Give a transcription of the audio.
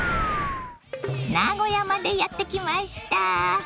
名古屋までやって来ました。